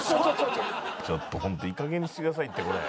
ちょっと本当いいかげんにしてくださいってこれ。